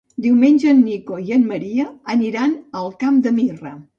Diumenge en Nico i en Maria aniran al Camp de Mirra.